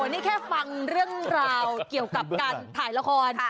นี่แค่ฟังเรื่องราวเกี่ยวกับการถ่ายละคร